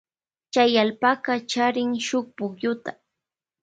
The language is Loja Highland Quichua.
Chay allpaka charin shuk pukyuta.